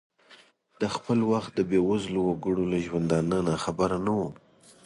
د خپل وخت د بې وزلو وګړو له ژوندانه ناخبره نه ؤ.